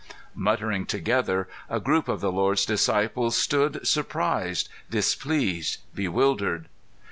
Muttering together, a group of the Lord's disciples stood, surprised, displeased, bewildered.